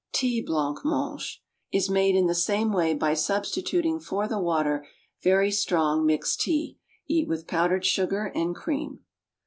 Tea Blanc mange Is made in the same way by substituting for the water very strong, mixed tea. Eat with powdered sugar and cream.